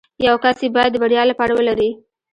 يو کس يې بايد د بريا لپاره ولري.